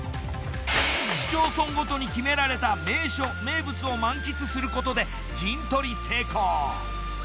市町村ごとに決められた名所・名物を満喫することで陣取り成功。